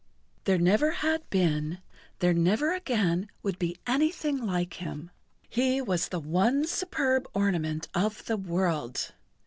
There never had been, there never again would be anything like him. He was the one superb ornament of the world.